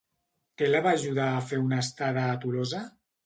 Què la va ajudar a fer una estada a Tolosa?